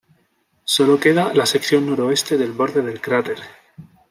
Sólo queda la sección noroeste del borde del cráter.